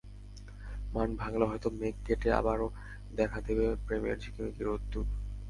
মান ভাঙলে হয়তো মেঘ কেটে আবারও দেখা দেবে প্রেমের ঝিকিমিকি রোদ্দুর।